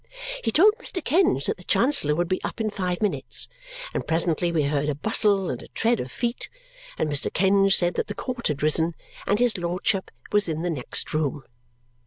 He told Mr. Kenge that the Chancellor would be up in five minutes; and presently we heard a bustle and a tread of feet, and Mr. Kenge said that the Court had risen and his lordship was in the next room.